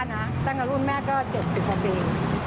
เพราะทางกับหลุ่นแม่ก็๗๐กว่าปี